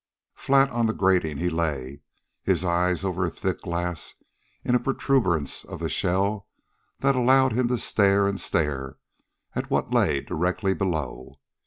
Flat on the grating he lay, his eyes over a thick glass in a proturbance of the shell that allowed him to stare and stare at what lay directly below.